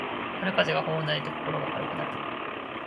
春風が頬をなでて心が軽くなる